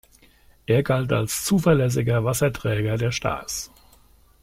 Er galt als zuverlässiger "Wasserträger" der Stars.